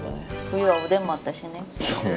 冬はおでんもあったしね。